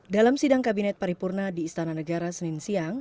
dalam sidang kabinet paripurna di istana negara senin siang